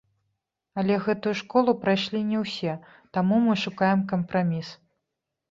Але гэтую школу прайшлі не ўсе, таму мы шукаем кампраміс.